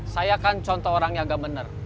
saya kan contoh orang yang agak bener